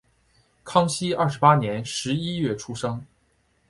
康熙二十八年十一月出生。